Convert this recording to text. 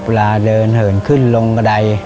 เวลาเดินเหินขึ้นลงกระดาย